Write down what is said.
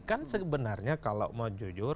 kan sebenarnya kalau mau jujur